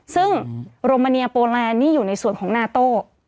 สิ่งโรมาเนียส์โปแลนอยู่ในส่วนของนาโต